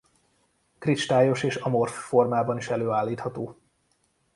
Kristályos és amorf formában is előállítható.